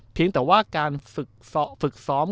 เพียงแต่ว่าการฝึกซ้อม